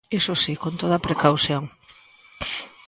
Iso si, con toda a precaución.